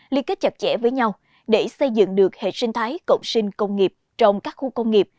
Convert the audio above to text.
liên kết chặt chẽ với nhau để xây dựng được hệ sinh thái cộng sinh công nghiệp trong các khu công nghiệp